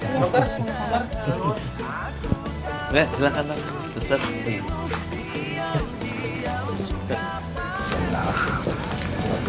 boleh silahkan pak